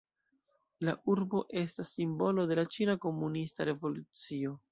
La urbo estas simbolo de la ĉina komunista revolucio.